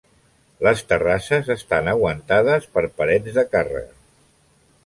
Les terrasses estan aguantades per parets de càrrega.